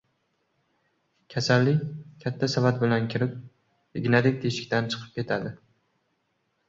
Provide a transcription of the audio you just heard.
• Kasallik katta savat bilan kirib, ignadek teshikdan chiqib ketadi.